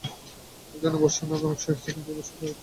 এজন্য সে ভর্ৎসনা অনেক সহিয়াছে, কিন্তু এ অভ্যাস ছাড়িতে পারে নাই।